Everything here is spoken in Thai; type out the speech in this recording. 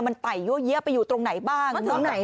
มันไต่เยอะแยะตรงไหนบ้าง